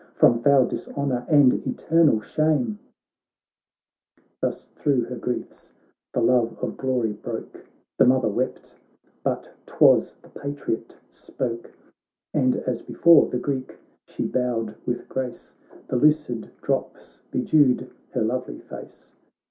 From foul dishonour and eternal shame !' Thus thro' her griefs the love of glory broke ; The mother wept, but 'twas the Patriot spoke : And as before the Greek she bowed with grace, The lucid drops bedewed her lovely face.